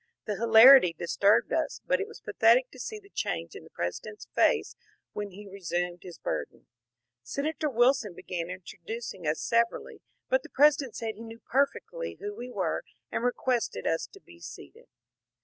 The hilarity disturbed us, but it was pathetic to see die change in the President's face when he resumed his burden. Senator Wil son began introducing us severally, but the President said he knew perfectly who we were, and requested us to be seated.